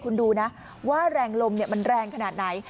คุณดูนะว่าแรงลมมันแรงขนาดไหน